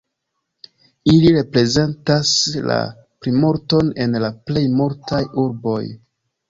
Ili reprezentas la plimulton en la plej multaj urboj.